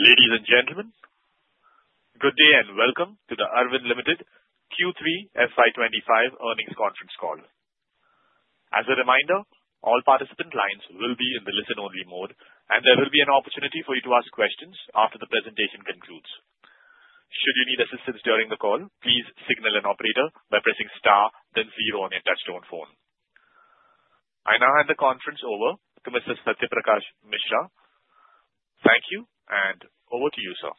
Ladies and gentlemen, good day and welcome to the Arvind Ltd Q3 FY '25 Earnings Conference Call. As a reminder, all participant lines will be in the listen-only mode, and there will be an opportunity for you to ask questions after the presentation concludes. Should you need assistance during the call, please signal an operator by pressing star, then zero on your touch-tone phone. I now hand the conference over to Mr. Satya Prakash Mishra. Thank you, and over to you, sir.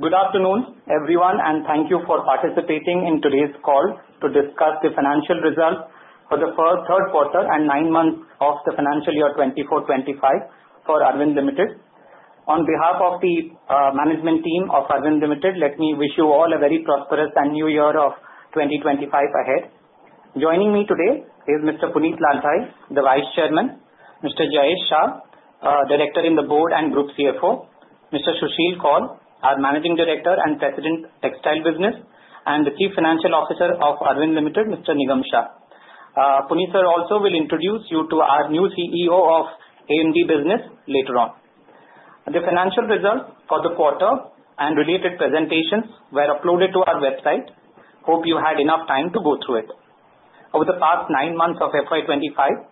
Good afternoon, everyone, and thank you for participating in today's call to discuss the financial results for the third quarter and nine months of the financial year 2024-2025 for Arvind Limited. On behalf of the management team of Arvind Limited, let me wish you all a very prosperous and new year of 2025 ahead. Joining me today is Mr. Punit Lalbhai, the Vice Chairman, Mr. Jayesh Shah, Director on the Board and Group CFO, Mr. Susheel Kaul, our Managing Director and President of Textile Business, and the Chief Financial Officer of Arvind Limited, Mr. Nigam Shah. Punit sir also will introduce you to our new CEO of AMD Business later on. The financial results for the quarter and related presentations were uploaded to our website. Hope you had enough time to go through it. Over the past nine months of FY 2025,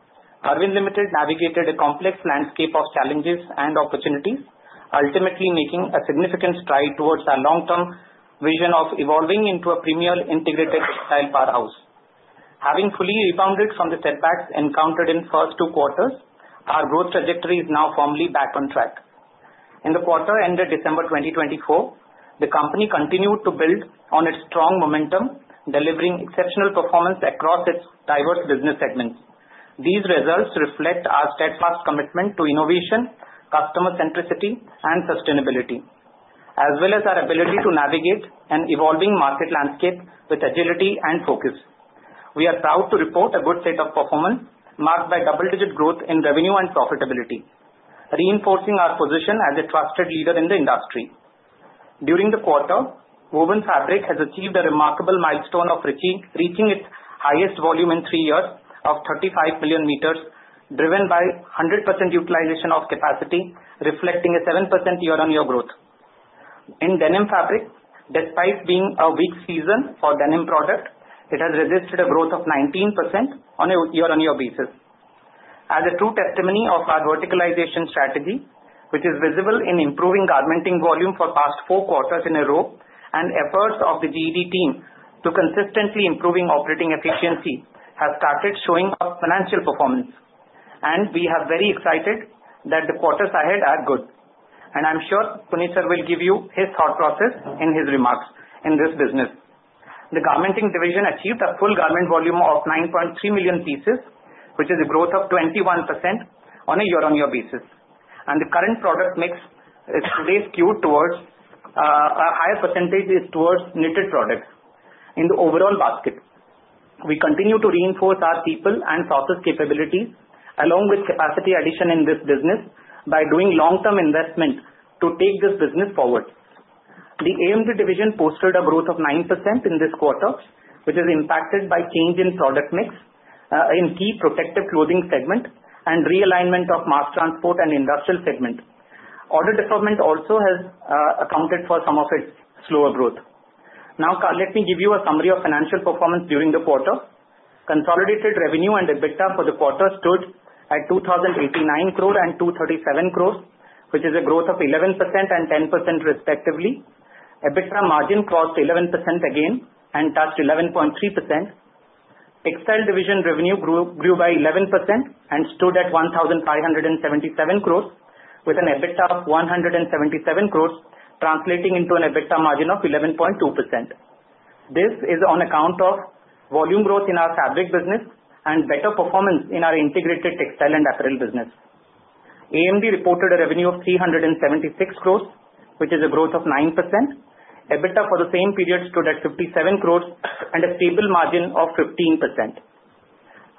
Arvind Limited navigated a complex landscape of challenges and opportunities, ultimately making a significant stride towards our long-term vision of evolving into a premier integrated textile powerhouse. Having fully rebounded from the setbacks encountered in the first two quarters, our growth trajectory is now firmly back on track. In the quarter ended December 2024, the company continued to build on its strong momentum, delivering exceptional performance across its diverse business segments. These results reflect our steadfast commitment to innovation, customer centricity, and sustainability, as well as our ability to navigate an evolving market landscape with agility and focus. We are proud to report a good state of performance marked by double-digit growth in revenue and profitability, reinforcing our position as a trusted leader in the industry. During the quarter, woven fabric has achieved a remarkable milestone of reaching its highest volume in three years of 35 million m, driven by 100% utilization of capacity, reflecting a 7% year-on-year growth. In denim fabric, despite being a weak season for denim product, it has registered a growth of 19% on a year-on-year basis. As a true testimony of our verticalization strategy, which is visible in improving garmenting volume for the past four quarters in a row, and efforts of the GED team to consistently improve operating efficiency have started showing up financial performance, and we are very excited that the quarters ahead are good, and I'm sure Punit sir will give you his thought process in his remarks in this business. The garmenting division achieved a full garment volume of 9.3 million pieces, which is a growth of 21% on a year-on-year basis. The current product mix is today skewed towards a higher percentage towards knitted products in the overall basket. We continue to reinforce our people and sources capabilities, along with capacity addition in this business by doing long-term investment to take this business forward. The AMD division posted a growth of 9% in this quarter, which is impacted by change in product mix in key protective clothing segment and realignment of mass transport and industrial segment. Order deferment also has accounted for some of its slower growth. Now, let me give you a summary of financial performance during the quarter. Consolidated revenue and EBITDA for the quarter stood at 2,089 crore and 237 crore, which is a growth of 11% and 10% respectively. EBITDA margin crossed 11% again and touched 11.3%. Textile division revenue grew by 11% and stood at 1,577 crore, with an EBITDA of 177 crore, translating into an EBITDA margin of 11.2%. This is on account of volume growth in our fabric business and better performance in our integrated textile and apparel business. AMD reported a revenue of 376 crore, which is a growth of 9%. EBITDA for the same period stood at 57 crore and a stable margin of 15%.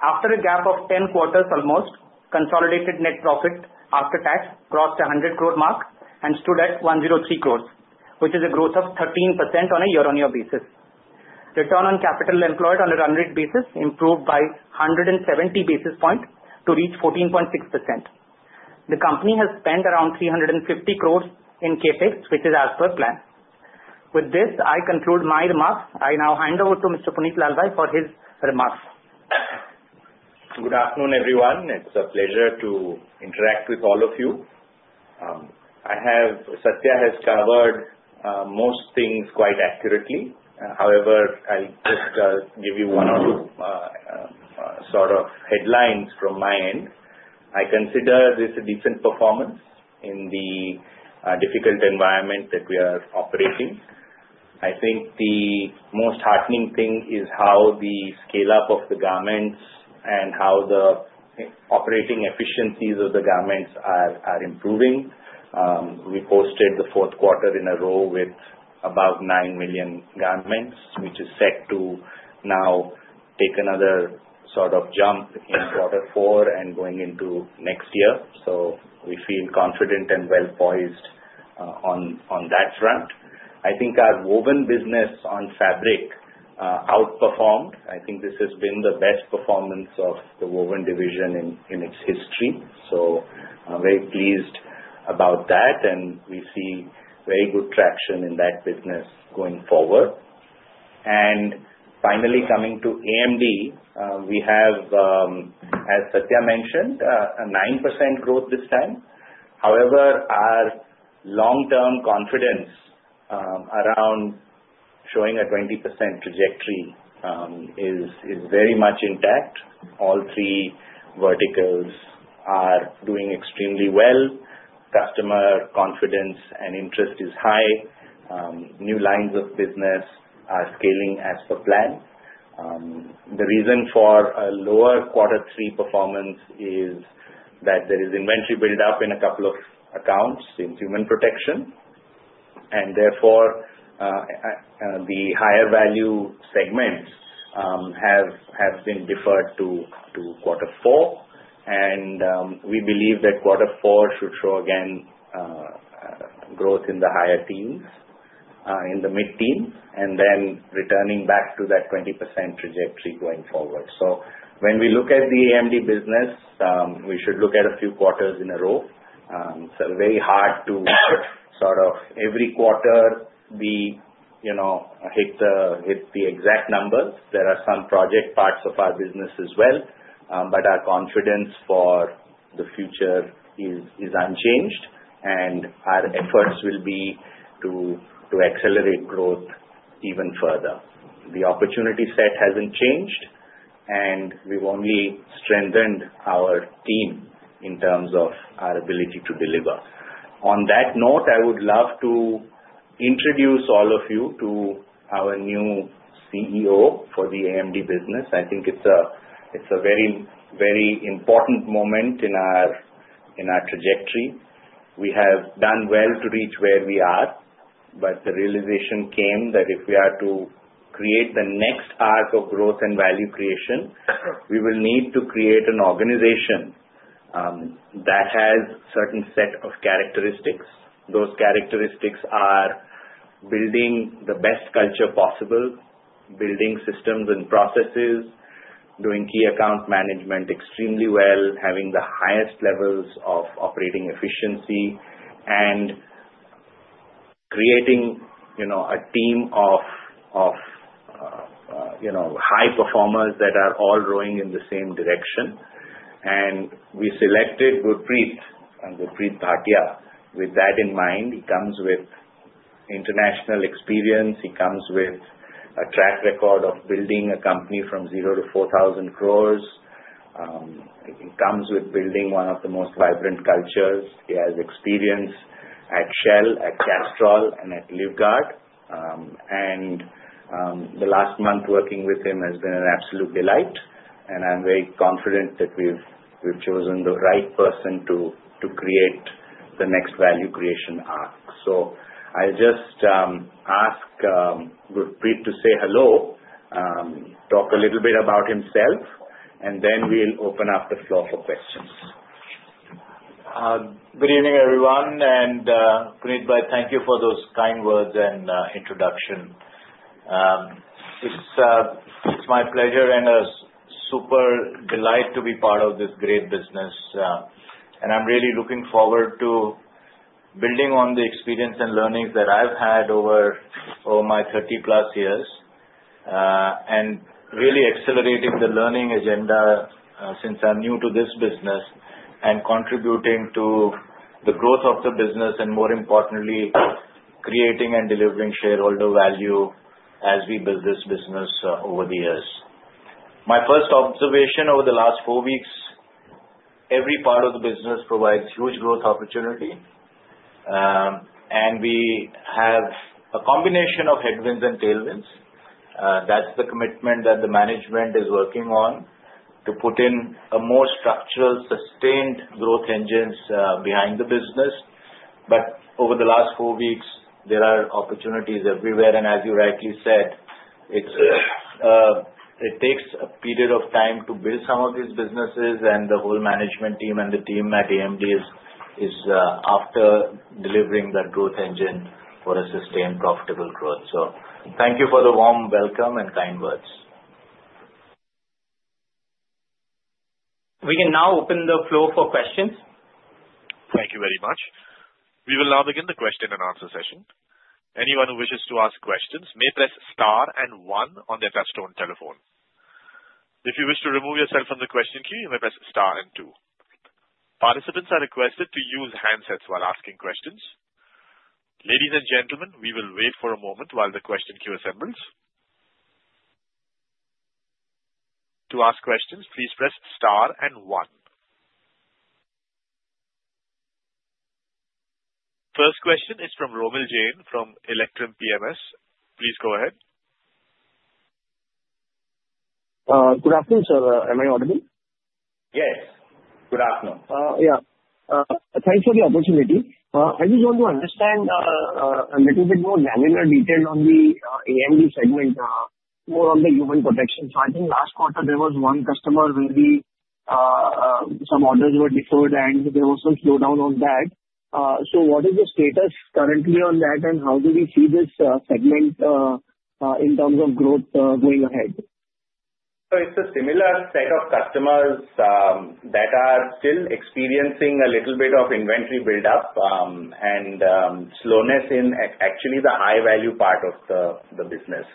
After a gap of 10 quarters almost, consolidated net profit after tax crossed the 100 crore mark and stood at 103 crore, which is a growth of 13% on a year-on-year basis. Return on capital employed on a run rate basis improved by 170 basis points to reach 14.6%. The company has spent around 350 crore in CapEx, which is as per plan. With this, I conclude my remarks. I now hand over to Mr. Punit Lalbhai for his remarks. Good afternoon, everyone. It's a pleasure to interact with all of you. Satya Prakash has covered most things quite accurately. However, I'll just give you one or two sort of headlines from my end. I consider this a decent performance in the difficult environment that we are operating. I think the most heartening thing is how the scale-up of the garments and how the operating efficiencies of the garments are improving. We posted the fourth quarter in a row with about nine million garments, which is set to now take another sort of jump in quarter four and going into next year. So we feel confident and well-poised on that front. I think our woven business on fabric outperformed. I think this has been the best performance of the woven division in its history. So I'm very pleased about that, and we see very good traction in that business going forward. Finally, coming to AMD, we have, as Satya mentioned, a 9% growth this time. However, our long-term confidence around showing a 20% trajectory is very much intact. All three verticals are doing extremely well. Customer confidence and interest is high. New lines of business are scaling as per plan. The reason for a lower quarter three performance is that there is inventory build-up in a couple of accounts in Human Protection. And therefore, the higher value segments have been deferred to quarter four. And we believe that quarter four should show again growth in the higher teens, in the mid-teens, and then returning back to that 20% trajectory going forward. So when we look at the AMD business, we should look at a few quarters in a row. It's very hard to sort of every quarter hit the exact numbers. There are some project parts of our business as well, but our confidence for the future is unchanged, and our efforts will be to accelerate growth even further. The opportunity set hasn't changed, and we've only strengthened our team in terms of our ability to deliver. On that note, I would love to introduce all of you to our new CEO for the AMD business. I think it's a very, very important moment in our trajectory. We have done well to reach where we are, but the realization came that if we are to create the next arc of growth and value creation, we will need to create an organization that has a certain set of characteristics. Those characteristics are building the best culture possible, building systems and processes, doing key account management extremely well, having the highest levels of operating efficiency, and creating a team of high performers that are all rowing in the same direction. And we selected Gurpreet and Gurpreet Bhatia. With that in mind, he comes with international experience. He comes with a track record of building a company from 0-4,000 crores. He comes with building one of the most vibrant cultures. He has experience at Shell, at Castrol, and at Livguard. And the last month working with him has been an absolute delight, and I'm very confident that we've chosen the right person to create the next value creation arc. So I'll just ask Gurpreet to say hello, talk a little bit about himself, and then we'll open up the floor for questions. Good evening, everyone, and Punit Lalbhai, thank you for those kind words and introduction. It's my pleasure and a super delight to be part of this great business, and I'm really looking forward to building on the experience and learnings that I've had over my 30-plus years and really accelerating the learning agenda since I'm new to this business and contributing to the growth of the business and, more importantly, creating and delivering shareholder value as we build this business over the years. My first observation over the last four weeks, every part of the business provides huge growth opportunity, and we have a combination of headwinds and tailwinds. That's the commitment that the management is working on, to put in a more structural, sustained growth engine behind the business, but over the last four weeks, there are opportunities everywhere. As you rightly said, it takes a period of time to build some of these businesses, and the whole management team and the team at AMD is after delivering that growth engine for a sustained, profitable growth. Thank you for the warm welcome and kind words. We can now open the floor for questions. Thank you very much. We will now begin the question and answer session. Anyone who wishes to ask questions may press star and one on their touch-tone telephone. If you wish to remove yourself from the question queue, you may press star and two. Participants are requested to use handsets while asking questions. Ladies and gentlemen, we will wait for a moment while the question queue assembles. To ask questions, please press star and one. First question is from Romil Jain from Electrum PMS. Please go ahead. Good afternoon, sir. Am I audible? Yes. Good afternoon. Yeah. Thanks for the opportunity. I just want to understand a little bit more granular detail on the AMD segment, more on the Human Protection. So I think last quarter, there was one customer where some orders were deferred, and there was some slowdown on that. So what is the status currently on that, and how do we see this segment in terms of growth going ahead? So it's a similar set of customers that are still experiencing a little bit of inventory build-up and slowness in actually the high-value part of the business.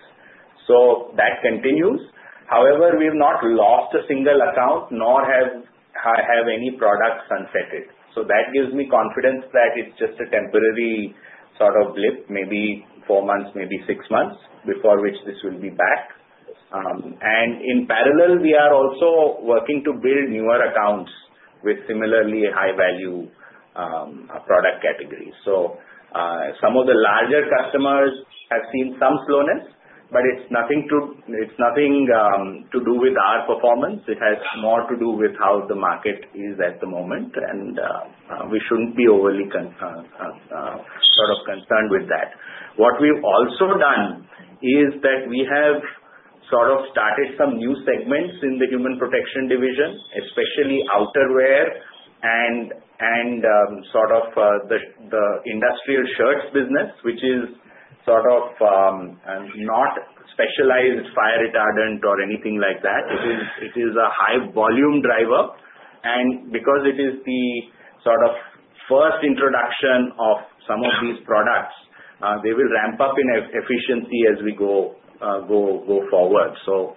So that continues. However, we have not lost a single account, nor have any products unsettled. So that gives me confidence that it's just a temporary sort of blip, maybe four months, maybe six months, before which this will be back. And in parallel, we are also working to build newer accounts with similarly high-value product categories. So some of the larger customers have seen some slowness, but it's nothing to do with our performance. It has more to do with how the market is at the moment, and we shouldn't be overly sort of concerned with that. What we've also done is that we have sort of started some new segments in the Human Protection division, especially outerwear and sort of the industrial shirts business, which is sort of not specialized fire retardant or anything like that. It is a high-volume driver, and because it is the sort of first introduction of some of these products, they will ramp up in efficiency as we go forward, so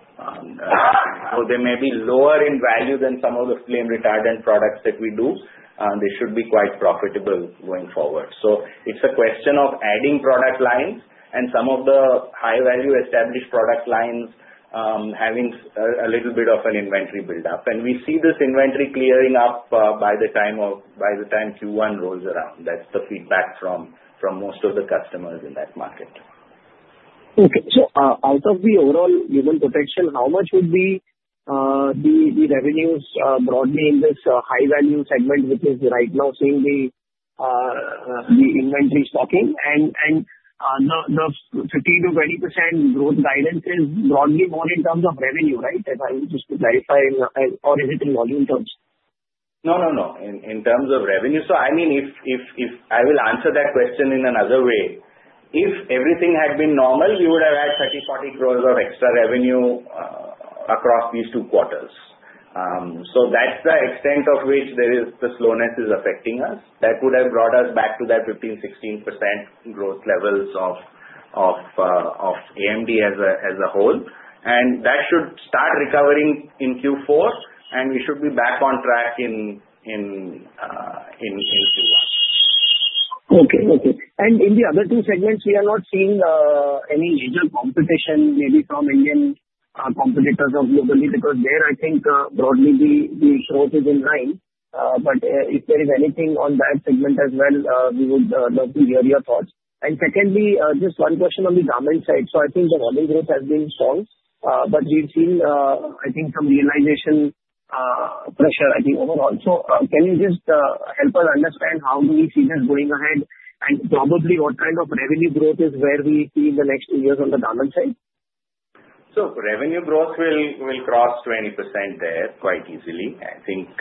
they may be lower in value than some of the flame retardant products that we do. They should be quite profitable going forward, so it's a question of adding product lines and some of the high-value established product lines having a little bit of an inventory build-up, and we see this inventory clearing up by the time Q1 rolls around. That's the feedback from most of the customers in that market. Okay. So out of the overall Human Protection, how much would be the revenues broadly in this high-value segment, which is right now seeing the inventory stocking? And the 15%-20% growth guidance is broadly more in terms of revenue, right? If I'm just to clarify, or is it in volume terms? No, no, no. In terms of revenue. So I mean, if I will answer that question in another way, if everything had been normal, you would have had 30-40 crore of extra revenue across these two quarters. So that's the extent of which the slowness is affecting us. That would have brought us back to that 15%-16% growth levels of AMD as a whole. And that should start recovering in Q4, and we should be back on track in Q1. Okay. Okay. And in the other two segments, we are not seeing any major competition, maybe from Indian competitors or globally, because there, I think broadly the growth is in line. But if there is anything on that segment as well, we would love to hear your thoughts. And secondly, just one question on the garment side. So I think the volume growth has been strong, but we've seen, I think, some realization pressure, I think, overall. So can you just help us understand how do we see this going ahead? And probably what kind of revenue growth is where we see in the next two years on the garment side? So revenue growth will cross 20% there quite easily. I think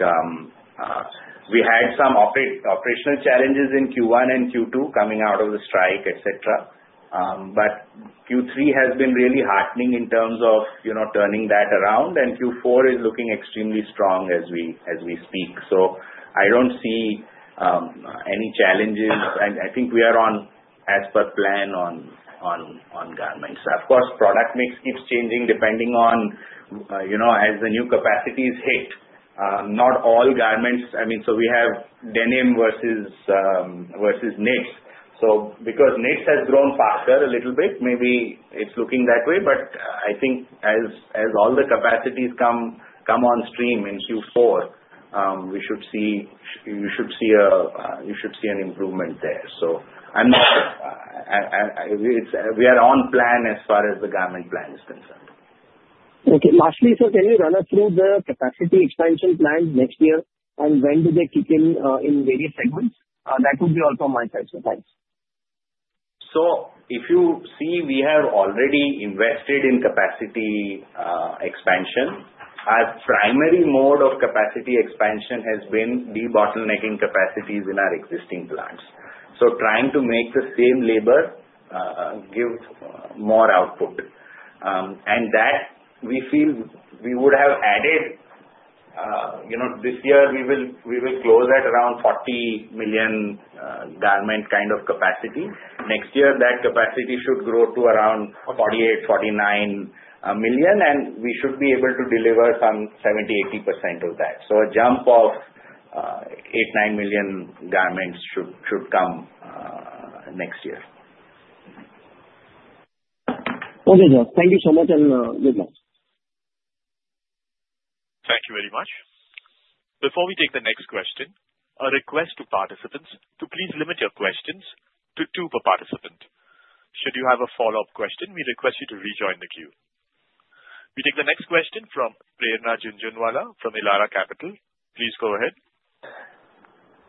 we had some operational challenges in Q1 and Q2 coming out of the strike, etc. But Q3 has been really heartening in terms of turning that around, and Q4 is looking extremely strong as we speak. So I don't see any challenges. I think we are on as per plan on garments. Of course, product mix keeps changing depending on as the new capacities hit. Not all garments I mean, so we have denim versus knits. So because knits has grown faster a little bit, maybe it's looking that way. But I think as all the capacities come on stream in Q4, we should see you should see an improvement there. So we are on plan as far as the garment plan is concerned. Okay. Lastly, sir, can you run us through the capacity expansion plans next year, and when do they kick in in various segments? That would be all from my side, sir. Thanks. So if you see, we have already invested in capacity expansion. Our primary mode of capacity expansion has been de-bottlenecking capacities in our existing plants. So trying to make the same labor give more output. And that we feel we would have added this year, we will close at around 40 million garment kind of capacity. Next year, that capacity should grow to around 48-49 million, and we should be able to deliver some 70%-80% of that. So a jump of 8-9 million garments should come next year. Okay, sir. Thank you so much and good luck. Thank you very much. Before we take the next question, a request to participants to please limit your questions to two per participant. Should you have a follow-up question, we request you to rejoin the queue. We take the next question from Prerna Jhunjhunwala from Elara Capital. Please go ahead.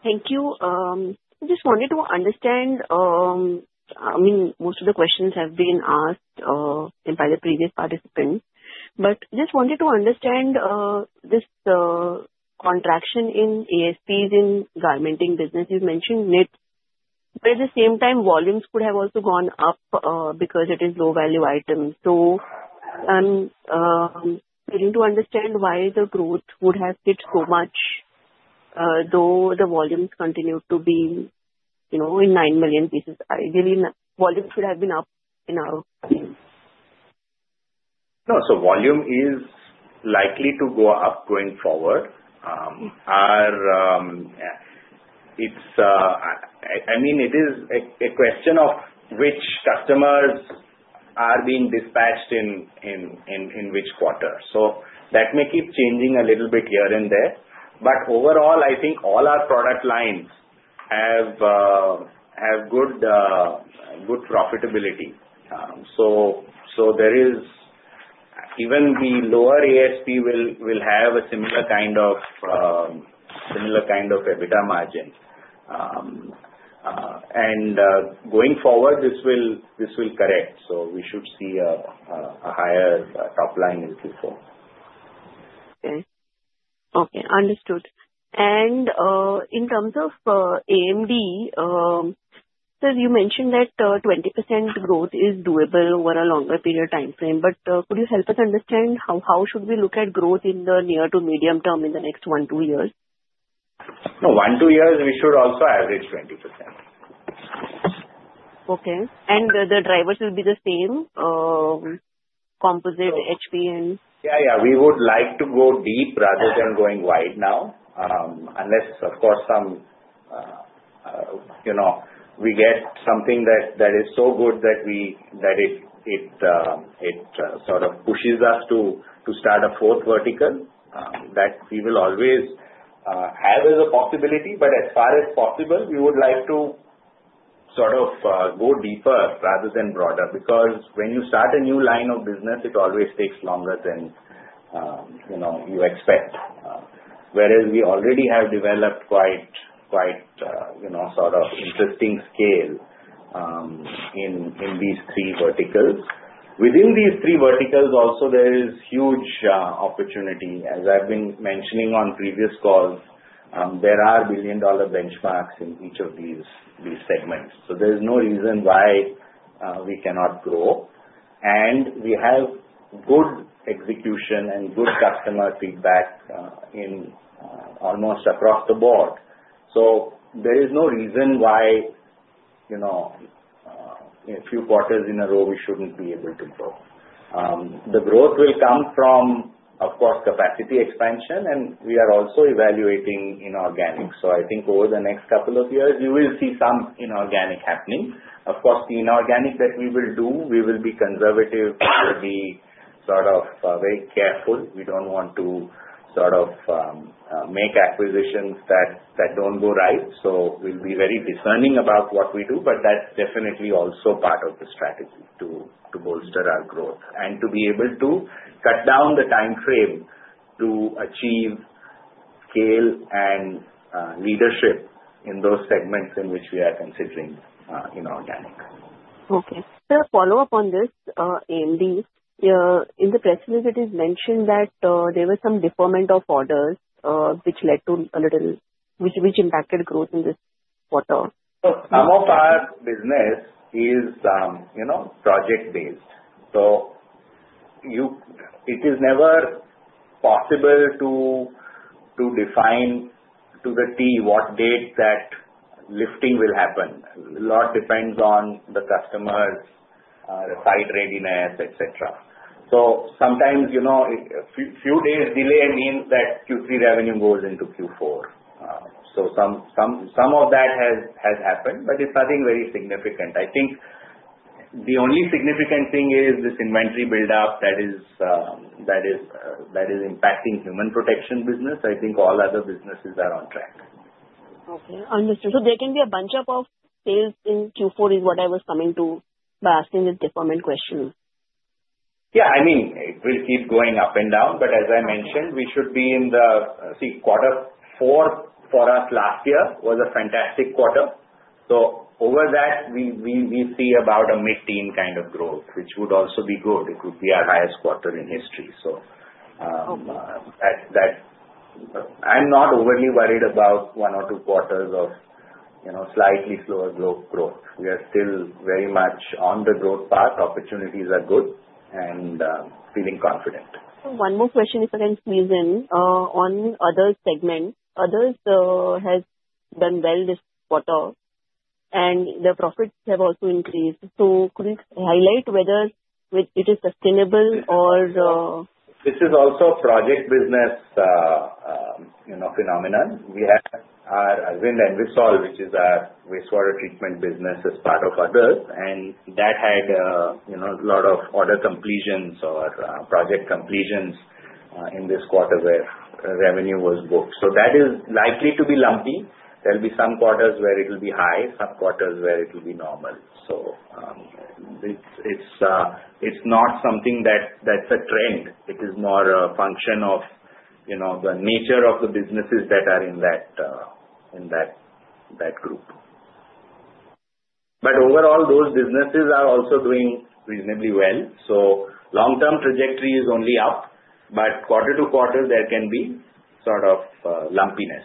Thank you. I just wanted to understand. I mean, most of the questions have been asked by the previous participants. But just wanted to understand this contraction in ASPs in garmenting business. You mentioned knits. But at the same time, volumes could have also gone up because it is low-value items. So I'm trying to understand why the growth would have hit so much, though the volumes continued to be in nine million pieces. Ideally, volumes should have been up in our time. No, so volume is likely to go up going forward. I mean, it is a question of which customers are being dispatched in which quarter. So that may keep changing a little bit here and there. But overall, I think all our product lines have good profitability. So even the lower ASP will have a similar kind of EBITDA margin. And going forward, this will correct. So we should see a higher top line as before. Okay. Okay. Understood. And in terms of AMD, sir, you mentioned that 20% growth is doable over a longer period of time frame. But could you help us understand how should we look at growth in the near to medium term in the next one to two years? No, one to two years, we should also average 20%. Okay. And the drivers will be the same? Composite, HP, and? Yeah, yeah. We would like to go deep rather than going wide now. Unless, of course, we get something that is so good that it sort of pushes us to start a fourth vertical, that we will always have as a possibility. But as far as possible, we would like to sort of go deeper rather than broader. Because when you start a new line of business, it always takes longer than you expect. Whereas we already have developed quite sort of interesting scale in these three verticals. Within these three verticals, also, there is huge opportunity. As I've been mentioning on previous calls, there are billion-dollar benchmarks in each of these segments. So there's no reason why we cannot grow. And we have good execution and good customer feedback almost across the board. So there is no reason why a few quarters in a row we shouldn't be able to grow. The growth will come from, of course, capacity expansion, and we are also evaluating inorganics. So I think over the next couple of years, you will see some inorganics happening. Of course, the inorganics that we will do, we will be conservative. We will be sort of very careful. We don't want to sort of make acquisitions that don't go right. So we'll be very discerning about what we do. But that's definitely also part of the strategy to bolster our growth and to be able to cut down the time frame to achieve scale and leadership in those segments in which we are considering inorganics. Okay. Sir, a follow-up on this AMD. In the press release, it is mentioned that there was some deferment of orders, which led to a little, which impacted growth in this quarter. Some of our business is project-based. So it is never possible to define to a T what date that lifting will happen. A lot depends on the customer's site readiness, etc. So sometimes a few days delay means that Q3 revenue goes into Q4. So some of that has happened, but it's nothing very significant. I think the only significant thing is this inventory build-up that is impacting Human Protection business. I think all other businesses are on track. Okay. Understood. So there can be a bunch of sales in Q4 is what I was coming to by asking this deferment question. Yeah. I mean, it will keep going up and down. But as I mentioned, we should be in the Q4. Quarter four for us last year was a fantastic quarter. So over that, we see about a mid-teen kind of growth, which would also be good. It would be our highest quarter in history. So I'm not overly worried about one or two quarters of slightly slower growth. We are still very much on the growth path. Opportunities are good and feeling confident. One more question, if I can squeeze in, on other segments. Others have done well this quarter, and the profits have also increased. So could you highlight whether it is sustainable or? This is also a project business phenomenon. We have our Arvind Envisol, which is our wastewater treatment business, as part of others. And that had a lot of order completions or project completions in this quarter where revenue was booked. So that is likely to be lumpy. There will be some quarters where it will be high, some quarters where it will be normal. So it's not something that's a trend. It is more a function of the nature of the businesses that are in that group. But overall, those businesses are also doing reasonably well. So long-term trajectory is only up. But quarter to quarter, there can be sort of lumpiness.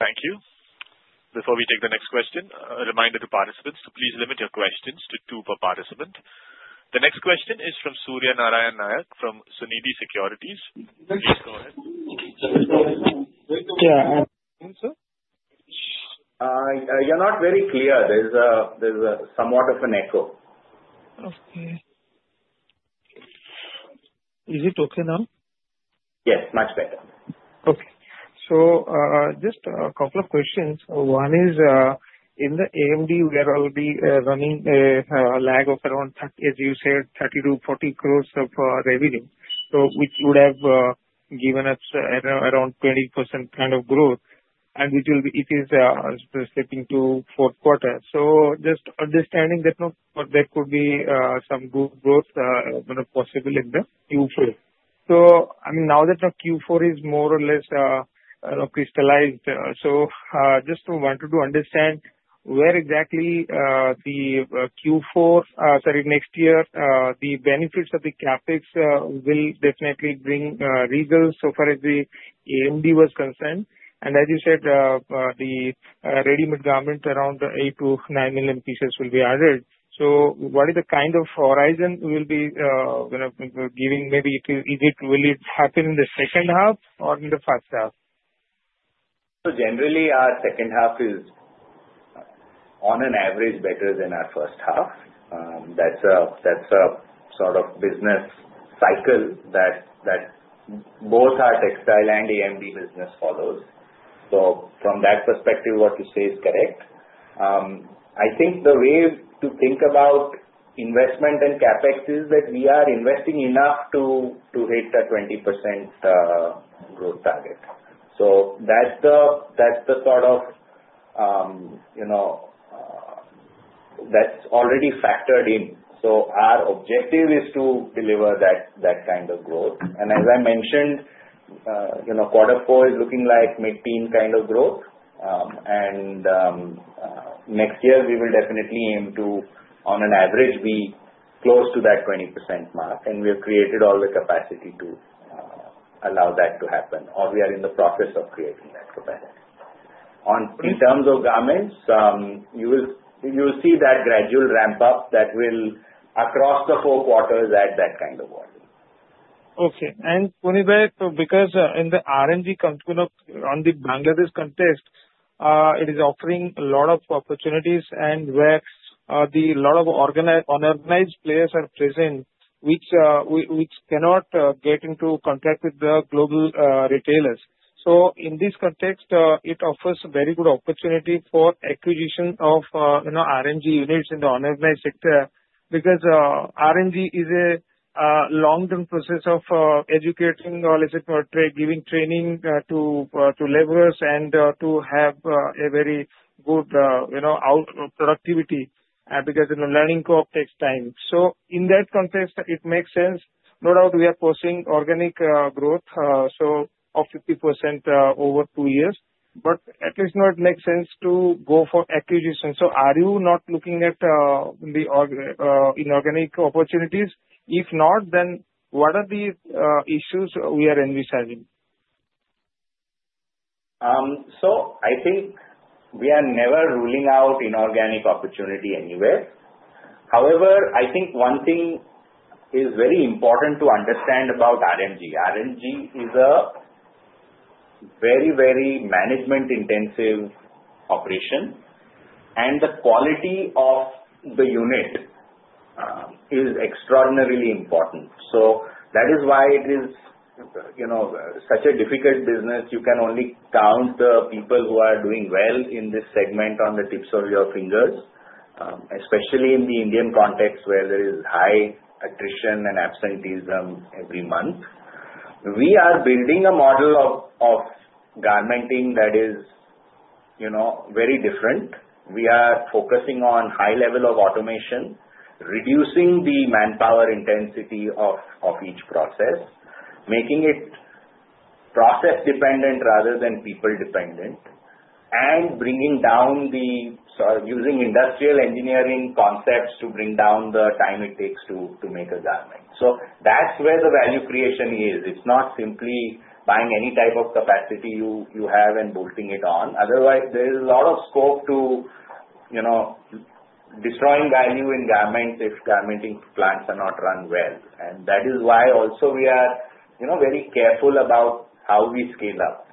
Thank you. Before we take the next question, a reminder to participants to please limit your questions to two per participant. The next question is from Surya Narayan Nayak from Sunidhi Securities. Please go ahead. Yeah. Sir. You're not very clear. There's somewhat of an echo. Okay. Is it okay now? Yes. Much better. Okay. So just a couple of questions. One is, in the AMD, we are already running a lag of around, as you said, 30-40 crores of revenue, which would have given us around 20% kind of growth. And it is slipping to fourth quarter. So just understanding that there could be some good growth possible in the Q4. So I mean, now that Q4 is more or less crystallized, so just wanted to understand where exactly the Q4, sorry, next year, the benefits of the CapEx will definitely bring results so far as the AMD was concerned. And as you said, the ready-made garment, around 8-9 million pieces will be ordered. So what is the kind of horizon we will be giving? Maybe will it happen in the second half or in the first half? So generally, our second half is, on an average, better than our first half. That's a sort of business cycle that both our textile and AMD business follows. So from that perspective, what you say is correct. I think the way to think about investment and CapEx is that we are investing enough to hit the 20% growth target. So that's the sort of, that's already factored in. So our objective is to deliver that kind of growth. And as I mentioned, quarter four is looking like mid-teen kind of growth. And next year, we will definitely aim to, on an average, be close to that 20% mark. And we have created all the capacity to allow that to happen, or we are in the process of creating that capacity. In terms of garments, you will see that gradual ramp-up that will, across the four quarters, add that kind of volume. Okay, and Punit, because in the end, on the Bangladesh context, it is offering a lot of opportunities and where a lot of unorganized players are present, which cannot get into contact with the global retailers, so in this context, it offers a very good opportunity for acquisition of RMG units in the unorganized sector because RMG is a long-term process of educating or, as it were, giving training to laborers and to have a very good productivity because learning takes time, so in that context, it makes sense. No doubt we are forcing organic growth so of 50% over two years, but at least, it makes sense to go for acquisition, so are you not looking at the inorganic opportunities? If not, then what are the issues we are envisaging? So I think we are never ruling out inorganic opportunity anywhere. However, I think one thing is very important to understand about RMG. RMG is a very, very management-intensive operation, and the quality of the unit is extraordinarily important. So that is why it is such a difficult business. You can only count the people who are doing well in this segment on the tips of your fingers, especially in the Indian context where there is high attrition and absenteeism every month. We are building a model of garmenting that is very different. We are focusing on high level of automation, reducing the manpower intensity of each process, making it process-dependent rather than people-dependent, and bringing down by using industrial engineering concepts to bring down the time it takes to make a garment. So that's where the value creation is. It's not simply buying any type of capacity you have and bolting it on. Otherwise, there is a lot of scope to destroying value in garments if garmenting plants are not run well, and that is why also we are very careful about how we scale up,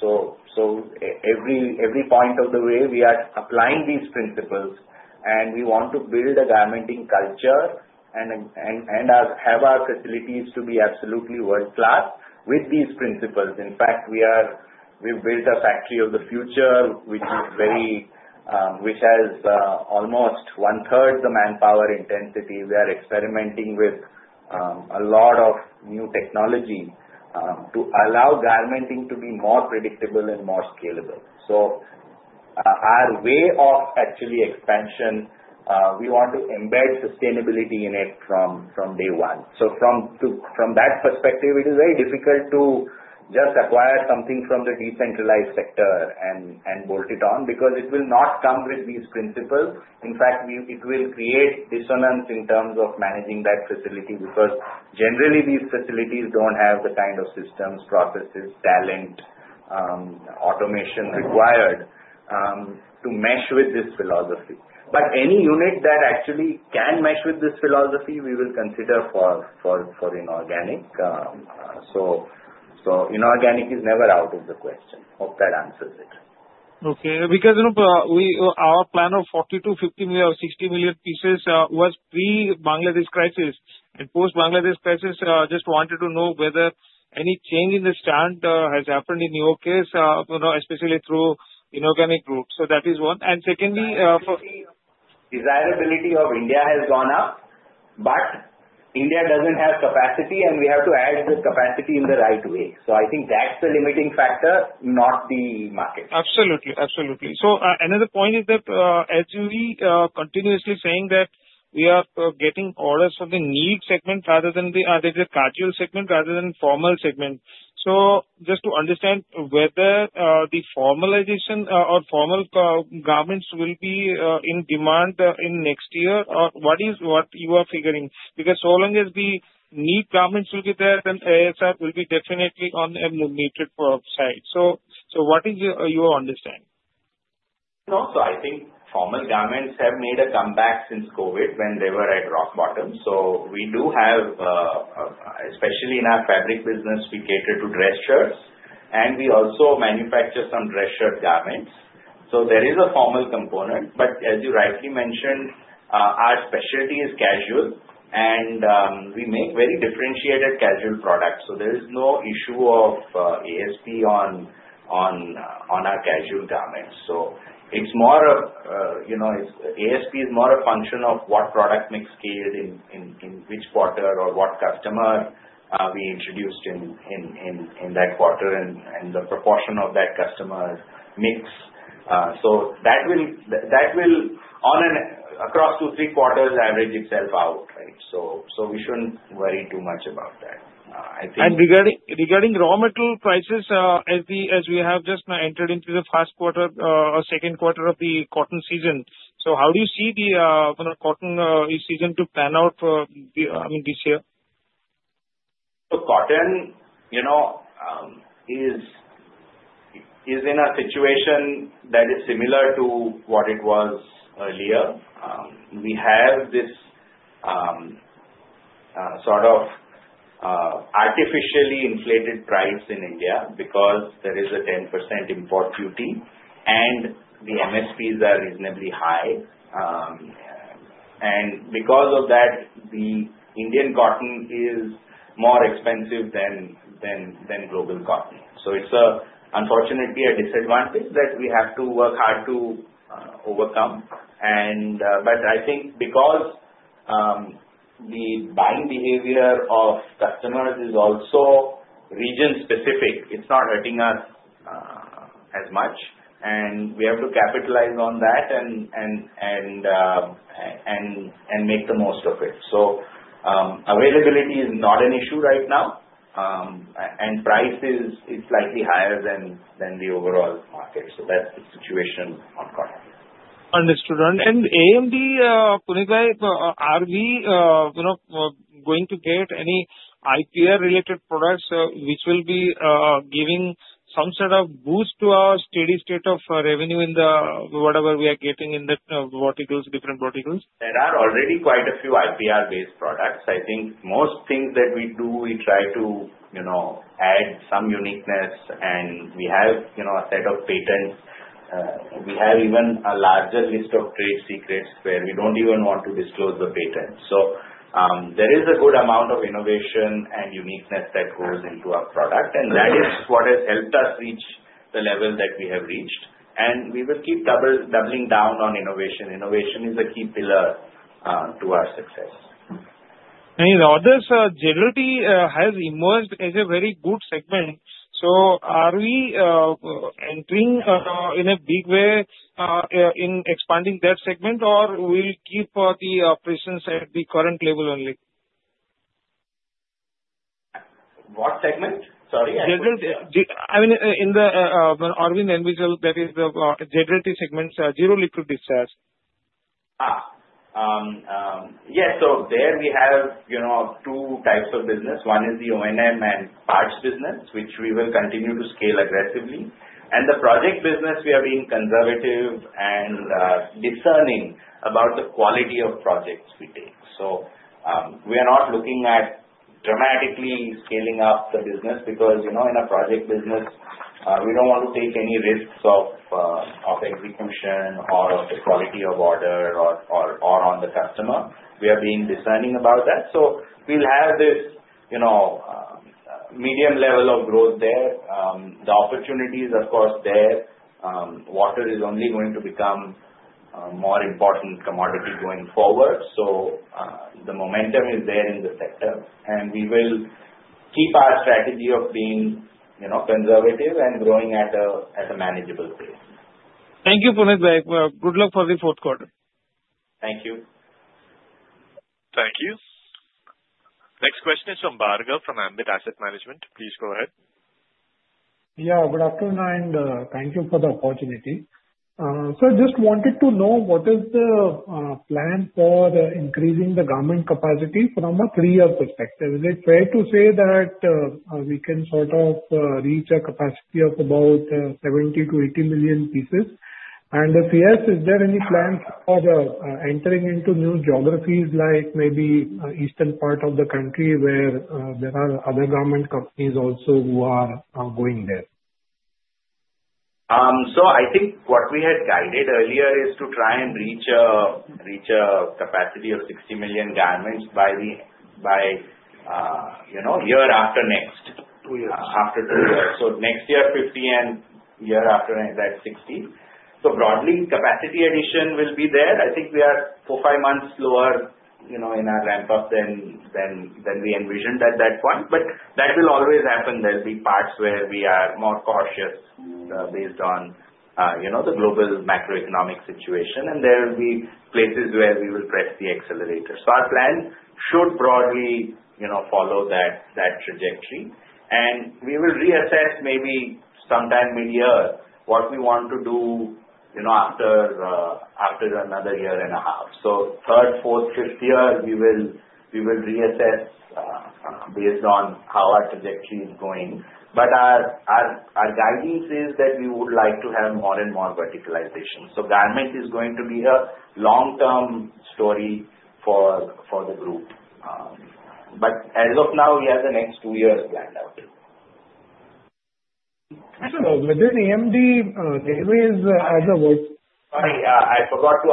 so every point of the way, we are applying these principles, and we want to build a garmenting culture and have our facilities to be absolutely world-class with these principles. In fact, we've built a factory of the future, which has almost 1/3 the manpower intensity. We are experimenting with a lot of new technology to allow garmenting to be more predictable and more scalable, so our way of actually expansion, we want to embed sustainability in it from day one. So from that perspective, it is very difficult to just acquire something from the decentralized sector and bolt it on because it will not come with these principles. In fact, it will create dissonance in terms of managing that facility because generally, these facilities don't have the kind of systems, processes, talent, automation required to mesh with this philosophy. But any unit that actually can mesh with this philosophy, we will consider for inorganic. So inorganic is never out of the question. Hope that answers it. Okay. Because our plan of 40-50 million or 60 million pieces was pre-Bangladesh crisis. And post-Bangladesh crisis, I just wanted to know whether any change in the stand has happened in your case, especially through inorganic groups. So that is one. And secondly. Desirability of India has gone up, but India doesn't have capacity, and we have to add the capacity in the right way, so I think that's the limiting factor, not the market. Absolutely. Absolutely. So another point is that as we continuously saying that we are getting orders from the knit segment rather than the casual segment rather than formal segment. So just to understand whether the formalization or formal garments will be in demand in next year or what you are figuring? Because so long as the knit garments will be there, then ASP will be definitely on a knit side. So what is your understanding? So I think formal garments have made a comeback since COVID when they were at rock bottom. So we do have, especially in our fabric business, we cater to dress shirts, and we also manufacture some dress shirt garments. So there is a formal component. But as you rightly mentioned, our specialty is casual, and we make very differentiated casual products. So there is no issue of ASP on our casual garments. So it's more of ASP is more a function of what product mix scaled in which quarter or what customer we introduced in that quarter and the proportion of that customer mix. So that will, across two or three quarters, average itself out, right? So we shouldn't worry too much about that. I think. Regarding raw material prices, as we have just entered into the first quarter or second quarter of the cotton season, so how do you see the cotton season to pan out? I mean, this year? So cotton is in a situation that is similar to what it was earlier. We have this sort of artificially inflated price in India because there is a 10% import duty, and the MSPs are reasonably high. And because of that, the Indian cotton is more expensive than global cotton. So it's unfortunately a disadvantage that we have to work hard to overcome. But I think because the buying behavior of customers is also region-specific, it's not hurting us as much. And we have to capitalize on that and make the most of it. So availability is not an issue right now, and price is slightly higher than the overall market. So that's the situation on cotton. Understood. And AMD, Punit bhai, are we going to get any IPR-related products which will be giving some sort of boost to our steady state of revenue in whatever we are getting in the different verticals? There are already quite a few IPR-based products. I think most things that we do, we try to add some uniqueness, and we have a set of patents. We have even a larger list of trade secrets where we don't even want to disclose the patents. So there is a good amount of innovation and uniqueness that goes into our product. And that is what has helped us reach the level that we have reached. And we will keep doubling down on innovation. Innovation is a key pillar to our success. Others generally have emerged as a very good segment. Are we entering in a big way in expanding that segment, or will we keep the presence at the current level only? What segment? Sorry. I mean, in the Arvind Envisol, that is the general segments, zero liquid discharge discussed. Yeah. So there we have two types of business. One is the O&M and parts business, which we will continue to scale aggressively. And the project business, we are being conservative and discerning about the quality of projects we take. So we are not looking at dramatically scaling up the business because in a project business, we don't want to take any risks of execution or of the quality of order or on the customer. We are being discerning about that. So we'll have this medium level of growth there. The opportunity is, of course, there. Water is only going to become a more important commodity going forward. So the momentum is there in the sector. And we will keep our strategy of being conservative and growing at a manageable pace. Thank you, Suryanarayan. Good luck for the fourth quarter. Thank you. Thank you. Next question is from Bhargav from Ambit Asset Management. Please go ahead. Yeah. Good afternoon, and thank you for the opportunity. So I just wanted to know what is the plan for increasing the garment capacity from a three-year perspective? Is it fair to say that we can sort of reach a capacity of about 70-80 million pieces? And if yes, is there any plans for entering into new geographies like maybe eastern part of the country where there are other garment companies also who are going there? So I think what we had guided earlier is to try and reach a capacity of 60 million garments by year after next, after two years. So next year, 50, and year after that, 60. So broadly, capacity addition will be there. I think we are four or five months slower in our ramp-up than we envisioned at that point. But that will always happen. There will be parts where we are more cautious based on the global macroeconomic situation. And there will be places where we will press the accelerator. So our plan should broadly follow that trajectory. And we will reassess maybe sometime mid-year what we want to do after another year and a half. So third, fourth, fifth year, we will reassess based on how our trajectory is going. But our guidance is that we would like to have more and more verticalization. So garment is going to be a long-term story for the group. But as of now, we have the next two years planned out. So within AMD, there is as a word. Sorry, I forgot to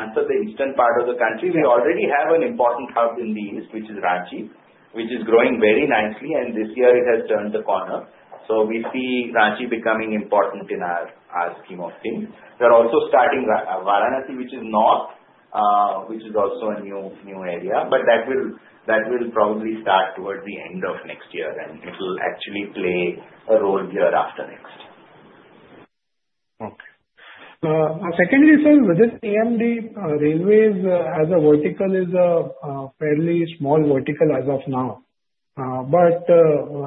answer the eastern part of the country. We already have an important hub in the east, which is Ranchi, which is growing very nicely. And this year, it has turned the corner. So we see Ranchi becoming important in our scheme of things. We are also starting Varanasi, which is north, which is also a new area. But that will probably start towards the end of next year, and it will actually play a role year after next. Okay. Secondly, sir, within AMD, railways as a vertical is a fairly small vertical as of now. But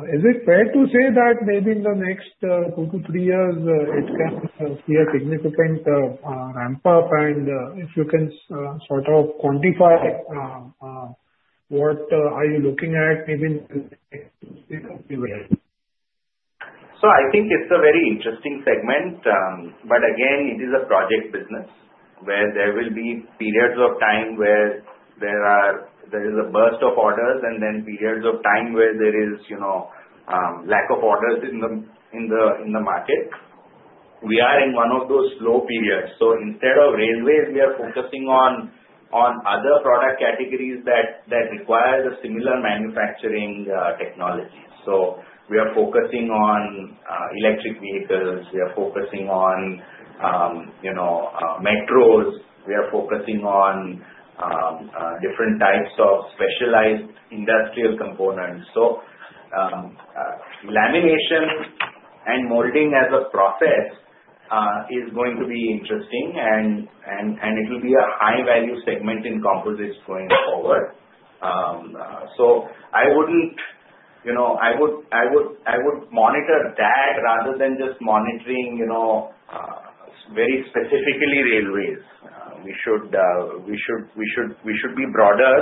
is it fair to say that maybe in the next two to three years, it can see a significant ramp-up? And if you can sort of quantify, what are you looking at maybe in the next two to three years? So I think it's a very interesting segment. But again, it is a project business where there will be periods of time where there is a burst of orders and then periods of time where there is lack of orders in the market. We are in one of those slow periods. So instead of railways, we are focusing on other product categories that require the similar manufacturing technologies. So we are focusing on electric vehicles. We are focusing on metros. We are focusing on different types of specialized industrial components. So lamination and molding as a process is going to be interesting, and it will be a high-value segment in composites going forward. So I would monitor that rather than just monitoring very specifically railways. We should be broader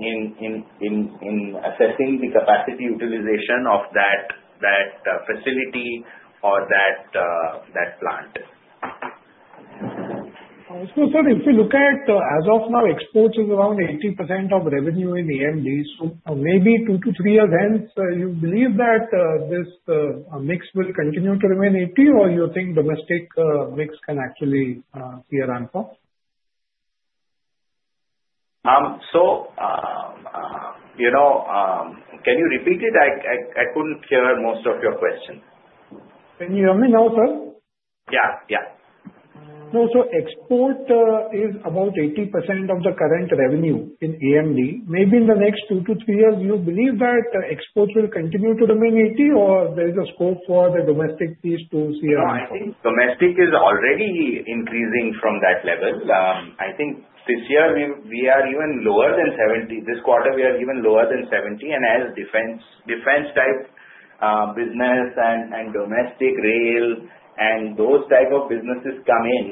in assessing the capacity utilization of that facility or that plant. So if you look at, as of now, exports is around 80% of revenue in AMD. So maybe two to three years hence, you believe that this mix will continue to remain 80%, or you think domestic mix can actually see a ramp-up? So can you repeat it? I couldn't hear most of your question. Can you hear me now, sir? Yeah. Yeah. So export is about 80% of the current revenue in AMD. Maybe in the next two to three years, you believe that exports will continue to remain 80, or there is a scope for the domestic piece to see a ramp-up? No, I think domestic is already increasing from that level. I think this year, we are even lower than 70. This quarter, we are even lower than 70. And as defense-type business and domestic rail and those type of businesses come in,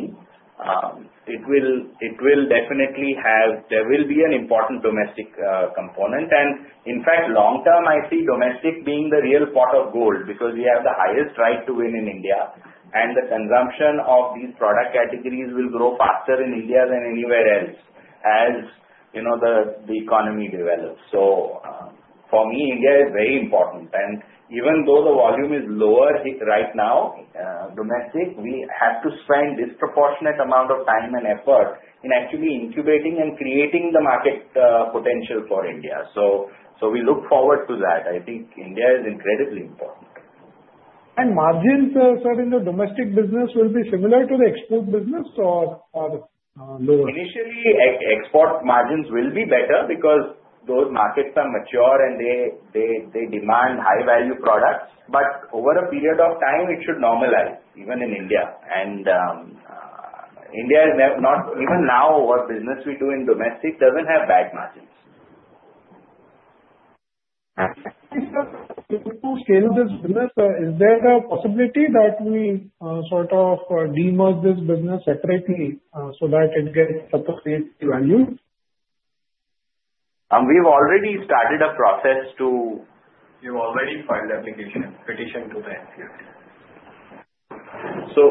it will definitely have. There will be an important domestic component. And in fact, long term, I see domestic being the real pot of gold because we have the highest right to win in India. And the consumption of these product categories will grow faster in India than anywhere else as the economy develops. So for me, India is very important. And even though the volume is lower right now, domestic, we have to spend a disproportionate amount of time and effort in actually incubating and creating the market potential for India. So we look forward to that. I think India is incredibly important. Margins, sir, in the domestic business will be similar to the export business or lower? Initially, export margins will be better because those markets are mature, and they demand high-value products. But over a period of time, it should normalize, even in India. And even now, what business we do in domestic doesn't have bad margins. If we scale this business, is there a possibility that we sort of demerge this business separately so that it gets value? We've already filed the application petition to the NCLT. So.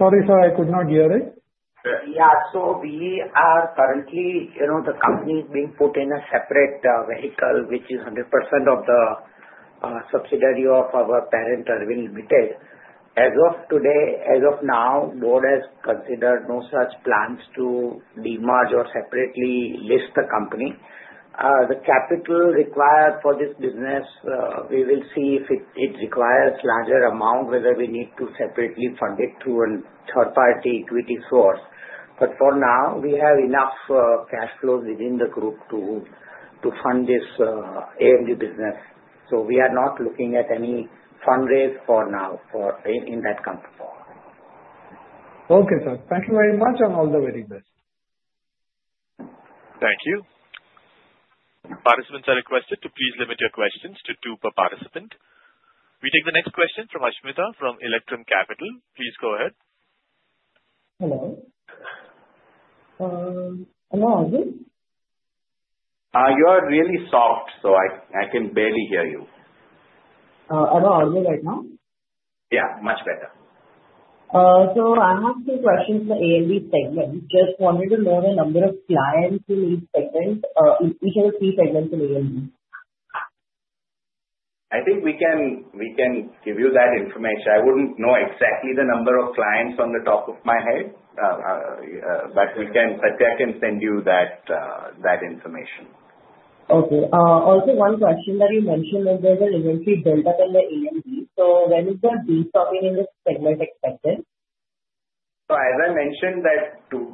Sorry, sir, I could not hear it. Yeah. So we are currently the company is being put in a separate vehicle, which is 100% of the subsidiary of our parent, Arvind Limited. As of today, as of now, board has considered no such plans to demerge or separately list the company. The capital required for this business, we will see if it requires a larger amount, whether we need to separately fund it through a third-party equity source. But for now, we have enough cash flows within the group to fund this AMD business. So we are not looking at any fundraise for now in that kind of form. Okay, sir. Thank you very much, and all the very best. Thank you. Participants are requested to please limit your questions to two per participant. We take the next question from Ashmitha from Electrum Capital. Please go ahead. Hello. Hello, Arvind? You are really soft, so I can barely hear you. Hello, Arvind, right now? Yeah, much better. So I have two questions for AMD segment. Just wanted to know the number of clients in each of the three segments in AMD. I think we can give you that information. I wouldn't know exactly the number of clients on the top of my head, but I can send you that information. Okay. Also, one question that you mentioned is there's an inventory build-up in the AMD. So when is the peak stocking in this segment expected? So as I mentioned,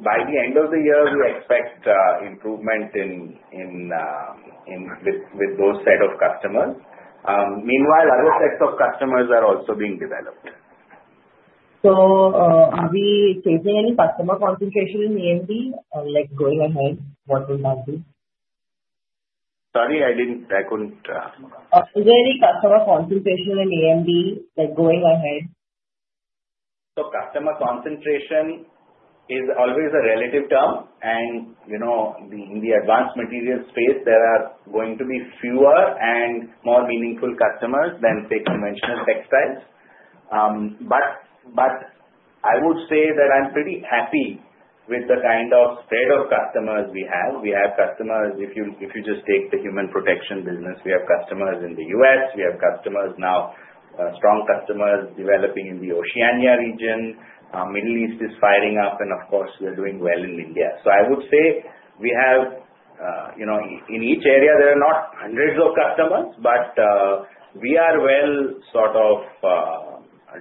by the end of the year, we expect improvement with those set of customers. Meanwhile, other sets of customers are also being developed. So are we facing any customer concentration in AMD? Going ahead, what will that be? Sorry, I couldn't. Is there any customer concentration in AMD going ahead? Customer concentration is always a relative term. In the advanced materials space, there are going to be fewer and more meaningful customers than say conventional textiles. I would say that I'm pretty happy with the kind of spread of customers we have. We have customers if you just take the Human Protection business. We have customers in the U.S. We have customers now, strong customers developing in the Oceania region. The Middle East is firing up, and of course, we are doing well in India. I would say we have in each area, there are not hundreds of customers, but we are well sort of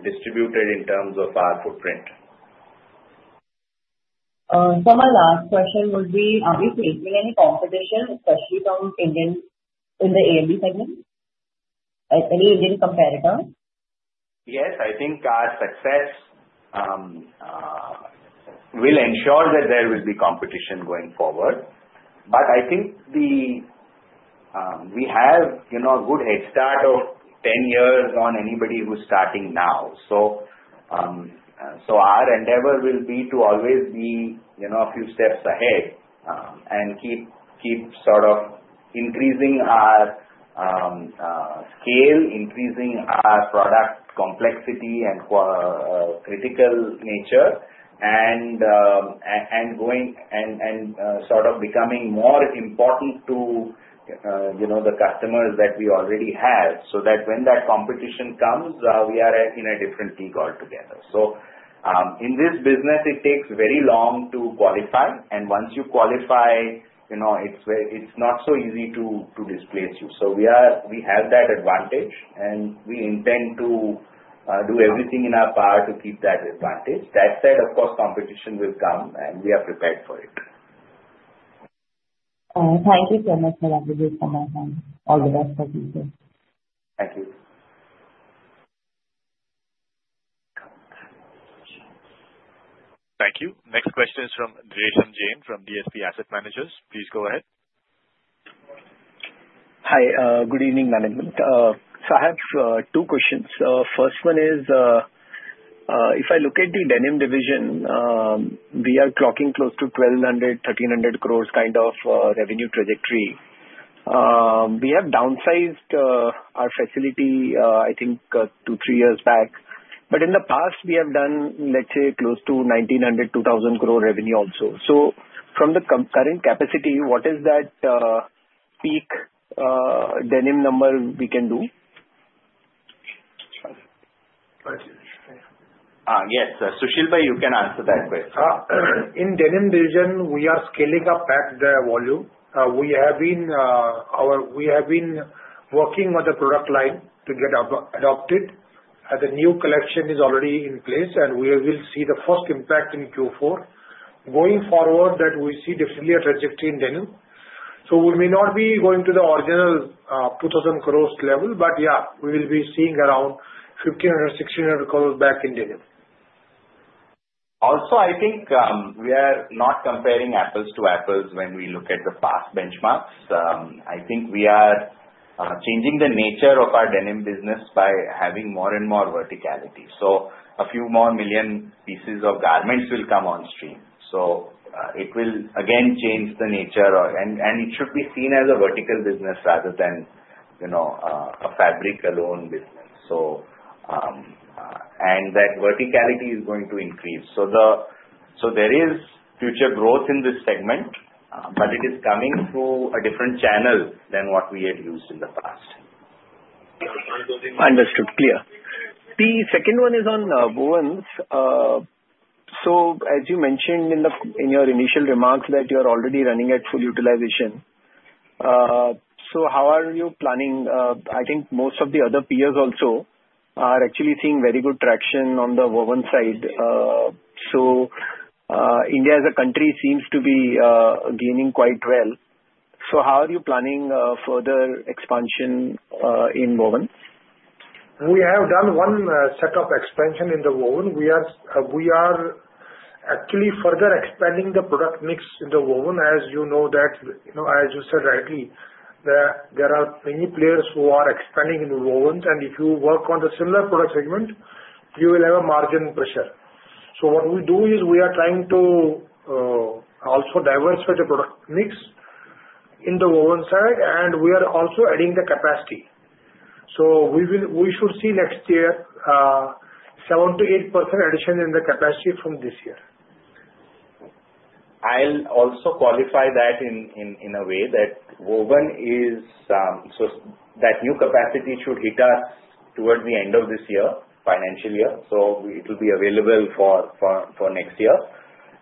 distributed in terms of our footprint. My last question would be, are we facing any competition, especially from Indians in the AMD segment? Any Indian competitors? Yes. I think our success will ensure that there will be competition going forward. But I think we have a good head start of 10 years on anybody who's starting now. So our endeavor will be to always be a few steps ahead and keep sort of increasing our scale, increasing our product complexity and critical nature, and sort of becoming more important to the customers that we already have so that when that competition comes, we are in a different league altogether. So in this business, it takes very long to qualify. And once you qualify, it's not so easy to displace you. So we have that advantage, and we intend to do everything in our power to keep that advantage. That said, of course, competition will come, and we are prepared for it. Thank you so much for that, Mr. Punit. All the best for you, sir. Thank you. Thank you. Next question is from Resham Jain from DSP Asset Managers. Please go ahead. Hi. Good evening, management. So I have two questions. First one is, if I look at the denim division, we are clocking close to 1,200-1,300 crores kind of revenue trajectory. We have downsized our facility, I think, two, three years back. But in the past, we have done, let's say, close to 1,900-2,000 crore revenue also. So from the current capacity, what is that peak denim number we can do? Yes. Susheel bhai, you can answer that question. In denim division, we are scaling up at the volume. We have been working on the product line to get adopted. The new collection is already in place, and we will see the first impact in Q4. Going forward, that we see definitely a trajectory in denim. So we may not be going to the original 2,000 crores level, but yeah, we will be seeing around 1,500-1,600 crores back in denim. Also, I think we are not comparing apples to apples when we look at the past benchmarks. I think we are changing the nature of our denim business by having more and more verticality. So a few more million pieces of garments will come on stream. So it will, again, change the nature, and it should be seen as a vertical business rather than a fabric-alone business. And that verticality is going to increase. So there is future growth in this segment, but it is coming through a different channel than what we had used in the past. Understood. Clear. The second one is on wovens. So as you mentioned in your initial remarks that you are already running at full utilization, so how are you planning? I think most of the other peers also are actually seeing very good traction on the woven side. So India as a country seems to be gaining quite well. So how are you planning further expansion in woven? We have done one set of expansion in the woven. We are actually further expanding the product mix in the woven. As you know that, as you said rightly, there are many players who are expanding in woven. And if you work on the similar product segment, you will have a margin pressure. So what we do is we are trying to also diversify the product mix in the woven side, and we are also adding the capacity. So we should see next year 7%-8% addition in the capacity from this year. I'll also qualify that in a way that woven is so that new capacity should hit us towards the end of this year, financial year. So it will be available for next year.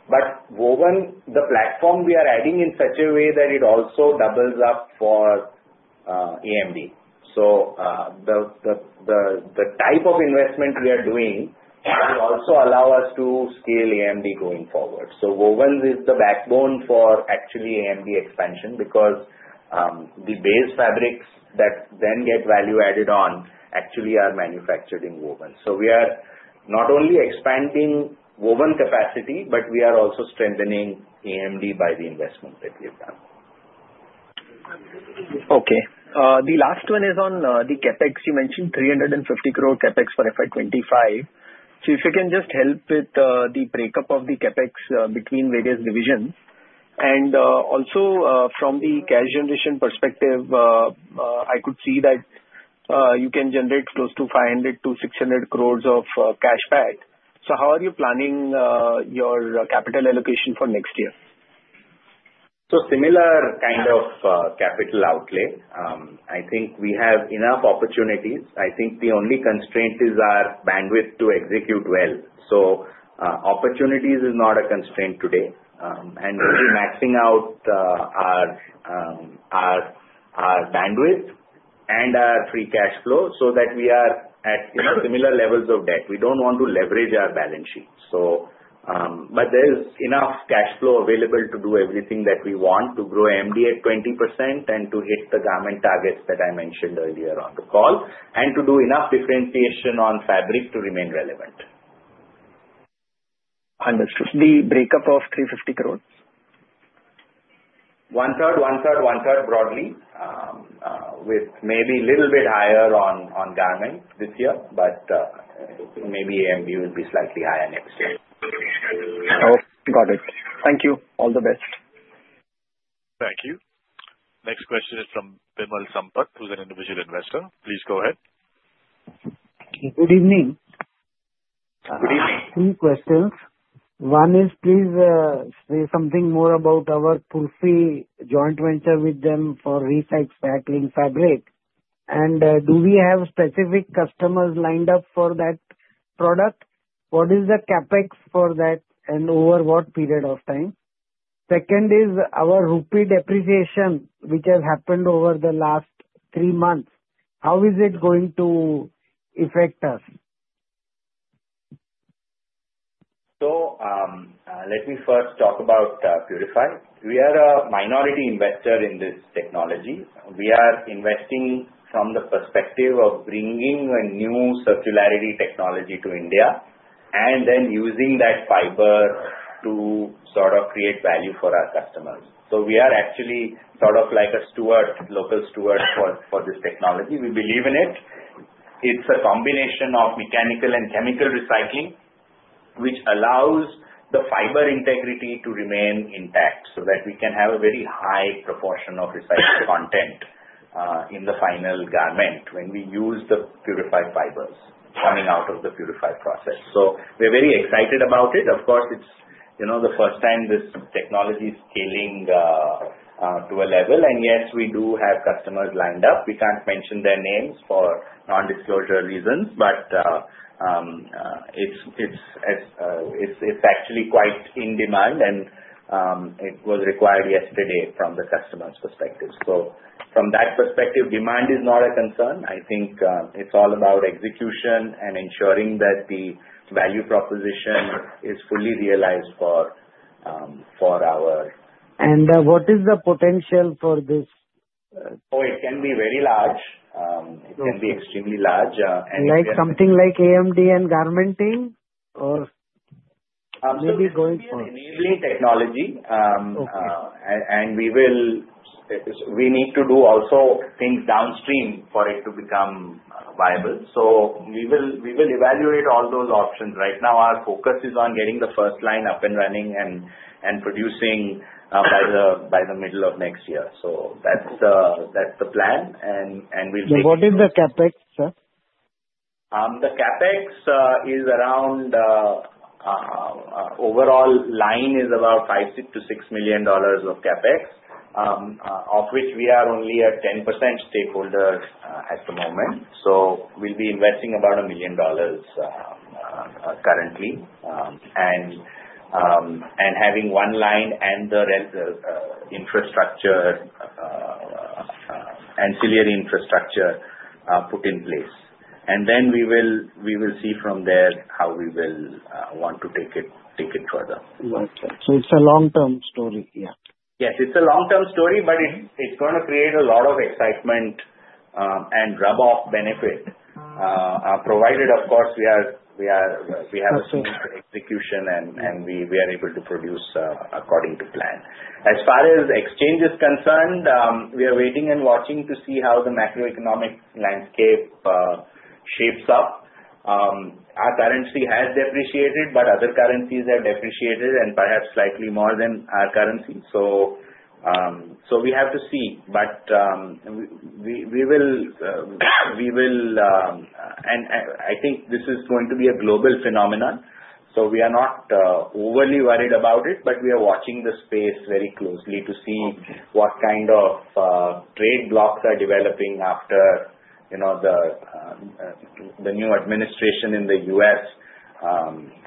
But woven, the platform we are adding in such a way that it also doubles up for AMD. So the type of investment we are doing will also allow us to scale AMD going forward. So woven is the backbone for actually AMD expansion because the base fabrics that then get value added on actually are manufactured in woven. So we are not only expanding woven capacity, but we are also strengthening AMD by the investment that we have done. Okay. The last one is on the CapEx. You mentioned 350 crore CapEx for FY 2025. So if you can just help with the breakup of the CapEx between various divisions. And also, from the cash generation perspective, I could see that you can generate close to 500 to 600 crores of cash back. So how are you planning your capital allocation for next year? So similar kind of capital outlay. I think we have enough opportunities. I think the only constraint is our bandwidth to execute well. So opportunities is not a constraint today. And we're maxing out our bandwidth and our free cash flow so that we are at similar levels of debt. We don't want to leverage our balance sheet. But there's enough cash flow available to do everything that we want to grow AMD at 20% and to hit the garment targets that I mentioned earlier on the call, and to do enough differentiation on fabric to remain relevant. Understood. The breakup of 350 crores? 1/3, 1/3, 1/3 broadly, with maybe a little bit higher on garments this year, but maybe AMD will be slightly higher next year. Okay. Got it. Thank you. All the best. Thank you. Next question is from Vimal Sampat, who's an individual investor. Please go ahead. Good evening. Good evening. Three questions. One is, please say something more about our PurFi joint venture with them for recycling fabric. And do we have specific customers lined up for that product? What is the CapEx for that, and over what period of time? Second is our rupee depreciation, which has happened over the last three months. How is it going to affect us? Let me first talk about PurFi. We are a minority investor in this technology. We are investing from the perspective of bringing a new circularity technology to India and then using that fiber to sort of create value for our customers. We are actually sort of like a steward, local steward for this technology. We believe in it. It's a combination of mechanical and chemical recycling, which allows the fiber integrity to remain intact so that we can have a very high proportion of recycled content in the final garment when we use the PurFi fibers coming out of the PurFi process. We're very excited about it. Of course, it's the first time this technology is scaling to a level. And yes, we do have customers lined up. We can't mention their names for non-disclosure reasons, but it's actually quite in demand, and it was required yesterday from the customer's perspective. So from that perspective, demand is not a concern. I think it's all about execution and ensuring that the value proposition is fully realized for our. What is the potential for this? Oh, it can be very large. It can be extremely large. Like something like AMD and garmenting or maybe going forward? It's an enabling technology, and we need to do also things downstream for it to become viable. So we will evaluate all those options. Right now, our focus is on getting the first line up and running and producing by the middle of next year. So that's the plan, and we'll take it. What is the CapEx, sir? The CapEx is around overall line is about $5-$6 million of CapEx, of which we are only a 10% stakeholder at the moment, so we'll be investing about $1 million currently and having one line and the ancillary infrastructure put in place, and then we will see from there how we will want to take it further. So it's a long-term story. Yeah. Yes. It's a long-term story, but it's going to create a lot of excitement and rub-off benefit provided, of course, we have a smooth execution and we are able to produce according to plan. As far as exchange is concerned, we are waiting and watching to see how the macroeconomic landscape shapes up. Our currency has depreciated, but other currencies have depreciated and perhaps slightly more than our currency. So we have to see. But we will, and I think this is going to be a global phenomenon. So we are not overly worried about it, but we are watching the space very closely to see what kind of trade blocs are developing after the new administration in the U.S.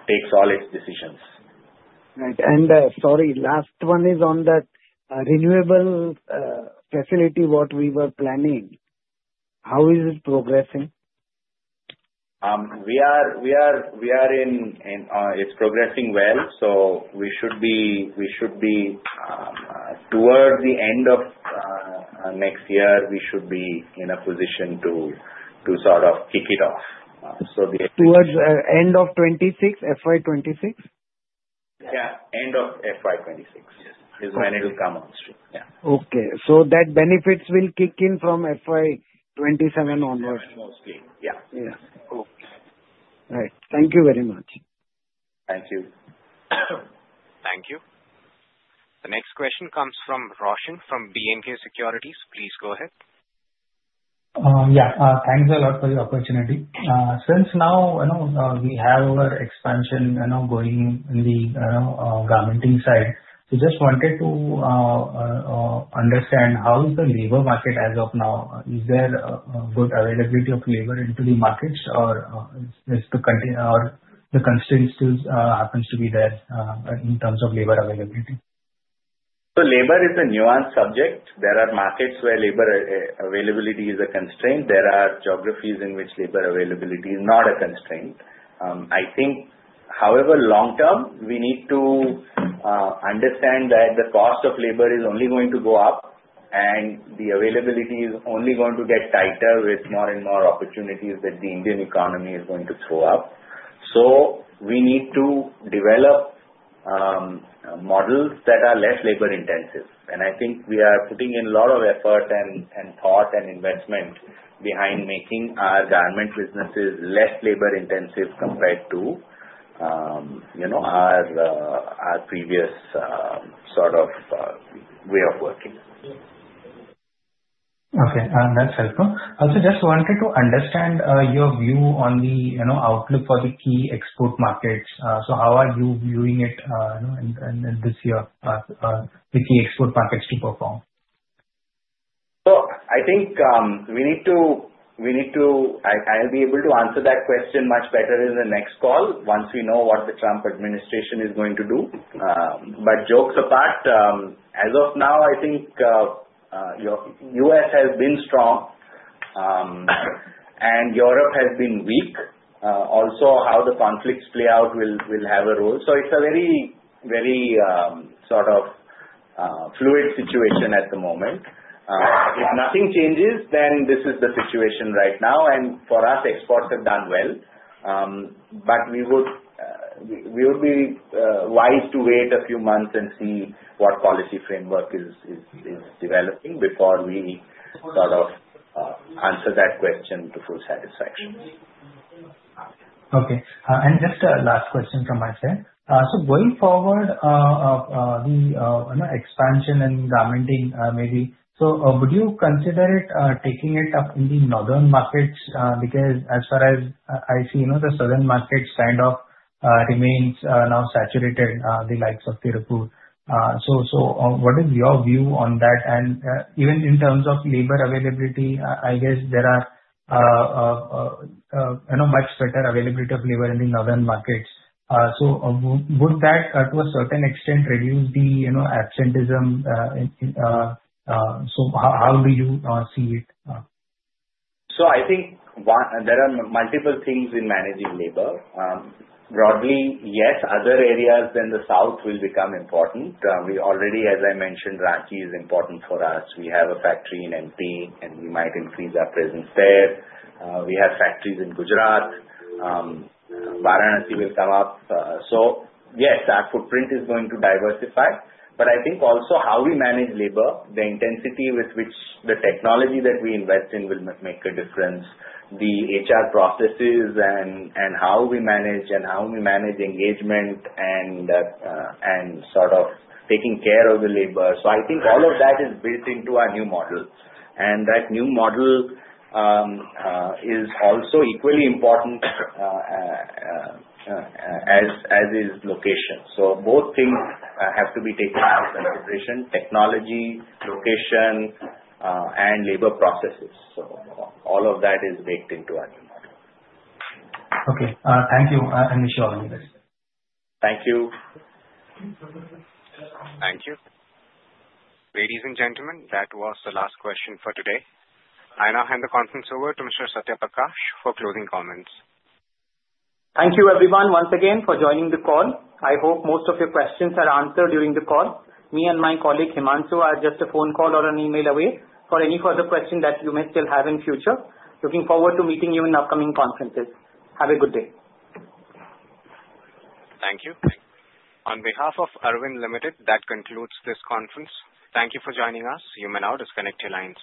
takes all its decisions. Right. And sorry, last one is on that renewable facility, what we were planning. How is it progressing? We're in. It's progressing well. So we should be towards the end of next year. We should be in a position to sort of kick it off. So the. Toward end of 2026, FY 2026? Yeah. End of FY 2026 is when it will come on stream. Yeah. Okay. So that benefits will kick in from FY 2027 onwards? Mostly. Yeah. Right. Thank you very much. Thank you. Thank you. The next question comes from Roshan from B&K Securities. Please go ahead. Yeah. Thanks a lot for the opportunity. Since now we have our expansion going in the garmenting side, we just wanted to understand how is the labor market as of now? Is there good availability of labor into the markets, or is the constraints happen to be there in terms of labor availability? So labor is a nuanced subject. There are markets where labor availability is a constraint. There are geographies in which labor availability is not a constraint. I think, however, long-term, we need to understand that the cost of labor is only going to go up, and the availability is only going to get tighter with more and more opportunities that the Indian economy is going to throw up. So we need to develop models that are less labor-intensive. And I think we are putting in a lot of effort and thought and investment behind making our garment businesses less labor-intensive compared to our previous sort of way of working. Okay. That's helpful. Also, just wanted to understand your view on the outlook for the key export markets. So how are you viewing it this year, the key export markets to perform? So I think we need to, I'll be able to answer that question much better in the next call once we know what the Trump administration is going to do. But jokes apart, as of now, I think the U.S. has been strong, and Europe has been weak. Also, how the conflicts play out will have a role. So it's a very sort of fluid situation at the moment. If nothing changes, then this is the situation right now. And for us, exports have done well. But we would be wise to wait a few months and see what policy framework is developing before we sort of answer that question to full satisfaction. Okay. And just a last question from my side. So going forward, the expansion in garmenting maybe, so would you consider taking it up in the northern markets? Because as far as I see, the southern markets kind of remain now saturated, the likes of Tirupur. So what is your view on that? And even in terms of labor availability, I guess there are much better availability of labor in the northern markets. So would that, to a certain extent, reduce the absenteeism? So how do you see it? So I think there are multiple things in managing labor. Broadly, yes, other areas than the south will become important. We already, as I mentioned, Ranchi is important for us. We have a factory in MP, and we might increase our presence there. We have factories in Gujarat. Varanasi will come up. So yes, our footprint is going to diversify. But I think also how we manage labor, the intensity with which the technology that we invest in will make a difference, the HR processes and how we manage and how we manage engagement and sort of taking care of the labor. So I think all of that is built into our new model. And that new model is also equally important as is location. So both things have to be taken into consideration: technology, location, and labor processes. So all of that is baked into our new model. Okay. Thank you, Anisha. Thank you. Than you. Ladies and gentlemen, that was the last question for today. I now hand the conference over to Mr. Satya Prakash for closing comments. Thank you, everyone, once again, for joining the call. I hope most of your questions are answered during the call. Me and my colleague, Himanshu, are just a phone call or an email away for any further questions that you may still have in the future. Looking forward to meeting you in upcoming conferences. Have a good day. Thank you. On behalf of Arvind Limited, that concludes this conference. Thank you for joining us. You may now disconnect your lines.